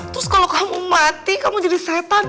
terus kalau kamu mati kamu jadi setan